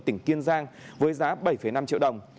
tỉnh kiên giang với giá bảy năm triệu đồng